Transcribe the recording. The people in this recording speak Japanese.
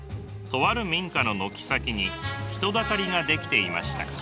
とある民家の軒先に人だかりが出来ていました。